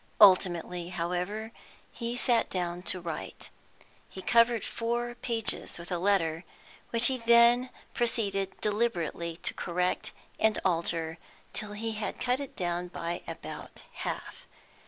Ultimately, however, he sat down to write. He covered four pages with a letter, which he then proceeded deliberately to correct and alter, till he had cut it down by about half.